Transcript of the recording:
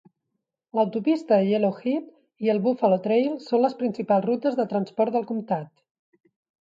L'autopista de Yellowhead i el Buffalo Trail són les principals rutes de transport del comtat.